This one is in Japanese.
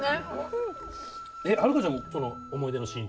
遥ちゃんその思い出のシーン。